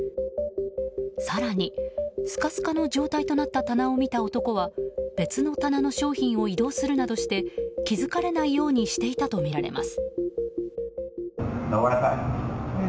更に、スカスカの状態となった棚を見た男は別の棚の商品を移動するなどして気づかれないようにしていたとみられます。